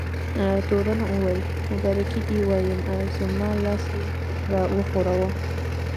تورن وویل: مبارکي دې وایم، زما لاس یې را وښوراوه.